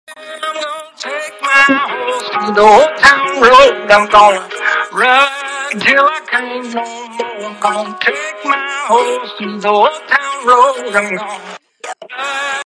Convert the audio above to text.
Present-tense forms normally serve both functions.